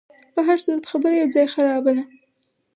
په هرصورت خبره یو ځای خرابه ده.